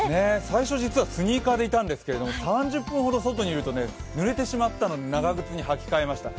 最初、実はスニーカーでいたんですけれども、３０分ほど外にいるとぬれてしまったので長靴に履き替えました。